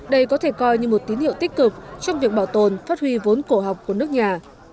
đây có thể coi như một tín hiệu tích cực trong việc bảo tồn phát huy vốn cổ học của nước nhà